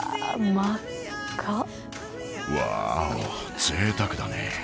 真っ赤ワオ贅沢だね